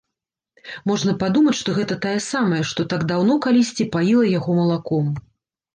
Можна падумаць, што гэта тая самая, што так даўно, калісьці, паіла яго малаком.